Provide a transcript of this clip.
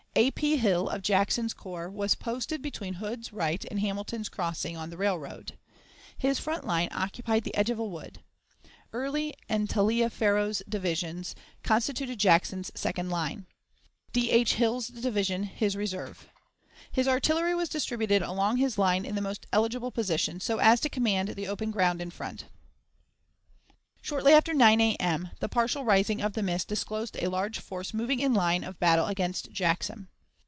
A. P. Hill, of Jackson's corps, was posted between Hood's right and Hamilton's Crossing, on the railroad. His front line occupied the edge of a wood. Early and Taliaferro's divisions constituted Jackson's second line, D. H. Hill's division his reserve. His artillery was distributed along his line in the most eligible positions, so as to command the open ground in front. Shortly after 9 A.M., the partial rising of the mist disclosed a large force moving in line of battle against Jackson.